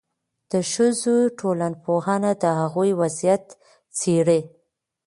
د ښځو ټولنپوهنه د هغوی وضعیت څېړي.